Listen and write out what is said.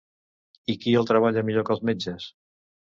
I qui el treballa millor que els metges?».